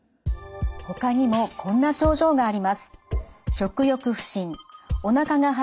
ほかにもこんな症状があります。